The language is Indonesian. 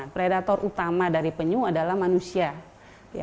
predator utama dari penyu adalah manusia